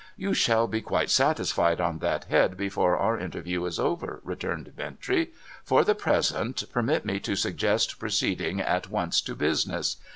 ' You shall be quite satisfied on that head before our interview is over,' returned Bintrey. ' For the present, permit me to suggest proceeding at once to business.